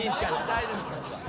大丈夫ですから。